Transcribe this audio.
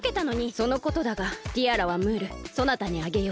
そのことだがティアラはムールそなたにあげよう。